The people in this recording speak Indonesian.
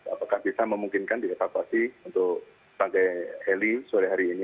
apakah bisa memungkinkan di evakuasi untuk tangkai heli sore hari ini